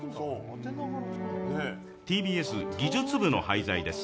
ＴＢＳ技術部の廃材です。